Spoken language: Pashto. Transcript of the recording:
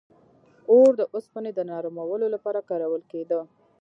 • اور د اوسپنې د نرمولو لپاره کارول کېده.